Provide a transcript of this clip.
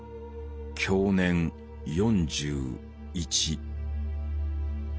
享年４１。